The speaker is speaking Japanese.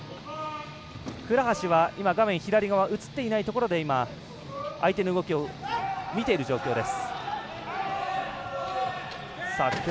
倉橋は画面映っていないところで相手の動きを見ている状況です。